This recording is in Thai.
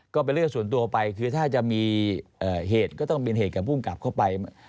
ก็เป็นเรื่องส่วนตัวไปคือถ้าจะมีเหตุก็ต้องเป็นเหตุกับภูมิกลับเข้าไป